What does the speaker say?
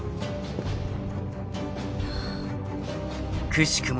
［くしくも